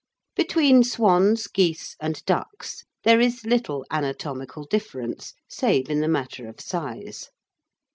Between swans, geese and ducks there is little anatomical difference, save in the matter of size.